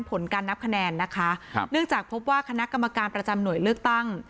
ผลการนับคะแนนนะคะครับเนื่องจากพบว่าคณะกรรมการประจำหน่วยเลือกตั้ง